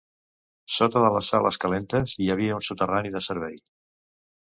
Sota de les sales calentes hi havia un soterrani de servei.